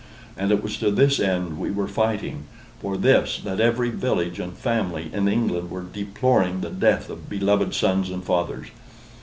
And it was to this end we were fighting; for this that every village and family in England was deploring the death of beloved sons and fathers.